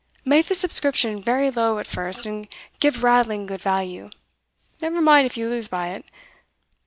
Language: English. Make the subscription very low at first, and give rattling good value; never mind if you lose by it.